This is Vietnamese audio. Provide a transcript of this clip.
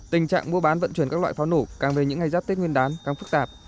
tình trạng mua bán vận chuyển các loại pháo nổ càng về những ngày giáp tết nguyên đán càng phức tạp